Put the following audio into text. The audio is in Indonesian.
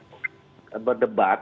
kadang kadang ini kan untuk membahas